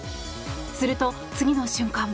すると、次の瞬間。